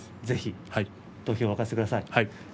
ぜひ土俵を沸かせてください。